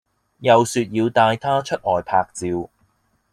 又說要帶她出外拍照